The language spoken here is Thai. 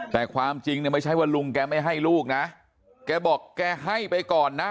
แต่ความจริงเนี่ยไม่ใช่ว่าลุงแกไม่ให้ลูกนะแกบอกแกให้ไปก่อนนะ